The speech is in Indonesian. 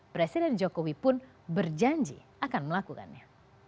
presiden jokowi pun berjanji akan melakukannya